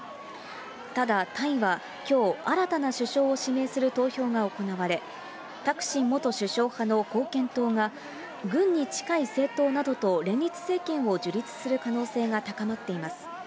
ただ、タイはきょう、新たな首相を指名する投票が行われ、タクシン元首相派の貢献党が軍に近い政党などと連立政権を樹立する可能性が高まっています。